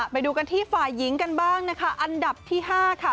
ไปดูกันที่ฝ่ายหญิงกันบ้างนะคะอันดับที่๕ค่ะ